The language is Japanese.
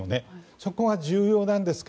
そこが重要なんですが